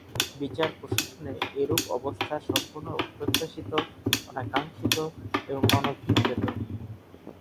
বিচার প্রশাসনে এরূপ অবস্থা সম্পূর্ণ অপ্রত্যাশিত, অনাকাঙ্ক্ষিত ও অনভিপ্রেত।